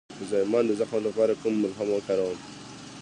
د زایمان د زخم لپاره کوم ملهم وکاروم؟